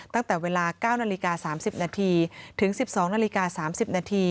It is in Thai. ตั้งแต่เวลา๙น๓๐นถึง๑๒น๓๐น